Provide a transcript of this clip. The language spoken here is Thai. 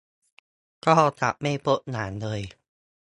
ก็กลับไม่พบหลานเลย